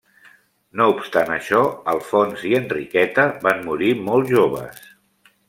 No obstant això, Alfons i Enriqueta van morir molt joves.